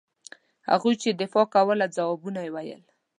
هغوی چې دفاع کوله ځوابونه وویل.